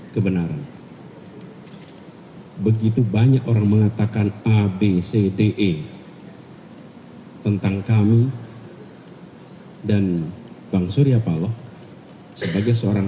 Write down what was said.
kebenaran begitu banyak orang mengatakan abcde tentang kami dan bang surya paloh sebagai seorang